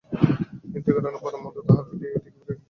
কিন্তু, এই ঘটনার পরে মধু তাহার ভিটায় টিঁকিবে কী করিয়া?